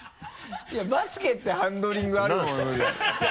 いやバスケってハンドリングがあるものじゃない。